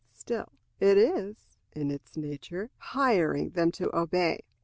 Still, it is, in its nature, hiring them to obey.